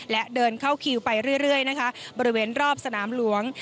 และเดินเข้าคิวไปเรื่อยนะคะบริเวณรอบสนามหลวง